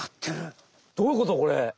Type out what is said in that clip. どういうことこれ？